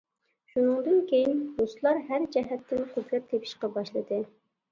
شۇنىڭدىن كېيىن رۇسلار ھەر جەھەتتىن قۇدرەت تېپىشقا باشلىدى.